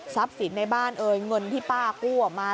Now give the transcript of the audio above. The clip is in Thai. ทรัพย์สินในบ้านเงินที่ป้ากู้ออกมา